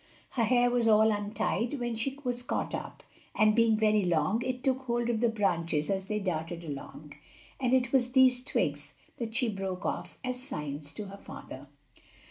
Her hair was all untied when she was caught up, and being very long it took hold of the branches as they darted along, and it was these twigs that she broke off as signs to her father.